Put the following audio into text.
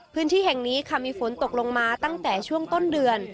พื้นที่แห่งนี้ค่ะมีฝนตกลงมาตั้งแต่ช่วงต้นเดือน